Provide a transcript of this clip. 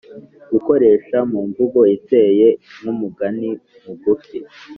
gukoresha mu mvugo iteye nk’umugani mugufi